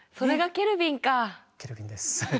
ケルビンです。